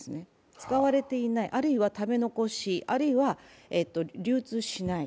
使われていない、あるいは食べ残し、あるいは流通しない。